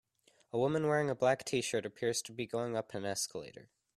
A woman wearing a black tshirt appears to being going up a escalator.